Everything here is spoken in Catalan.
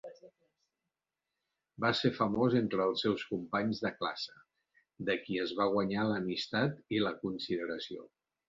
Va ser famós entre els seus companys de classe, de qui es va guanyar l'amistat i la consideració.